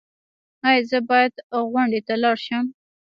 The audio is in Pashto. ایا زه باید غونډې ته لاړ شم؟